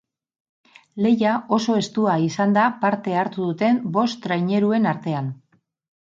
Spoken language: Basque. Lehia oso estua izan da parte hartu duten bost traineruen artean.